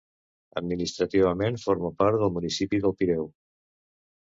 Administrativament, forma part del municipi del Pireu.